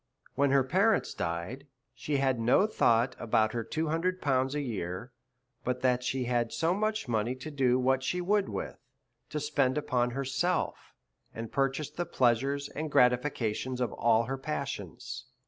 When her parents died, she had no thought about her two hundred pounds a year, but that she had so much money to do what sjie would wish, to spend upon herself, and purchase the pleasures and gratifi cations of all her passions.